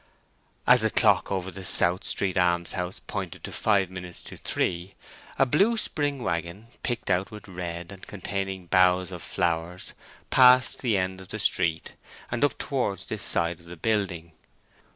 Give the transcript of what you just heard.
As the clock over the South street Alms house pointed to five minutes to three, a blue spring waggon, picked out with red, and containing boughs and flowers, passed the end of the street, and up towards this side of the building.